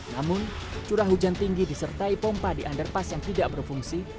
namun curah hujan tinggi disertai pompa di underpass yang tidak berfungsi